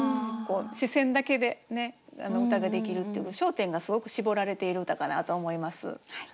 視線だけで歌が出来るっていうか焦点がすごく絞られている歌かなと思います。